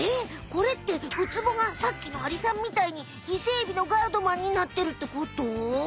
これってウツボがさっきのアリさんみたいにイセエビのガードマンになってるってこと？